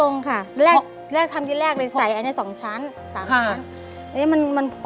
ไม่ได้อดไม่อะไรอ่ะค่ะพี่ต้องเขียนอะไร